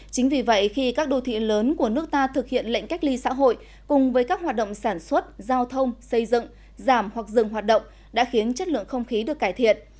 chính vì vậy khi các đô thị lớn của nước ta thực hiện lệnh cách ly xã hội cùng với các hoạt động sản xuất giao thông xây dựng giảm hoặc dừng hoạt động đã khiến chất lượng không khí được cải thiện